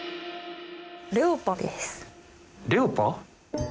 レオパ？